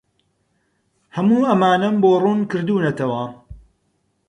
هەموو ئەمانەم بۆ ڕوون کردوونەتەوە.